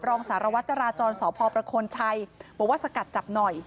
รองสารวัตรจราจรสพประโคนชัยบอกว่าสกัดจับหน่อย